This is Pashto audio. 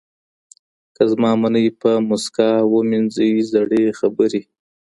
که زما منۍ په موسکا ومینځی زړې خبري